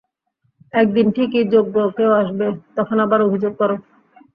একদিন ঠিকই যোগ্য কেউ আসবে, তখন আবার অভিযোগ করো।